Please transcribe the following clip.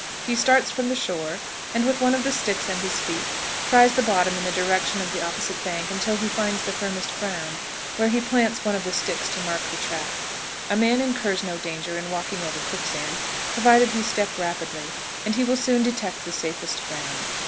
He starts from the shore, and with one of the sticks and his feet tries the bottom in the direction of the opposite bank until he finds the firmest ground, where he plants one of the sticks to mark the track. A man incurs no danger in walking over quicksand provided he step rapidly, and he will soon detect the safest ground.